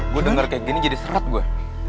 gue denger kayak gini jadi serat gue